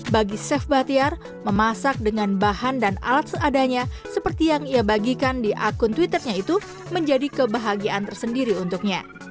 bagi chef bahtiar memasak dengan bahan dan alat seadanya seperti yang ia bagikan di akun twitternya itu menjadi kebahagiaan tersendiri untuknya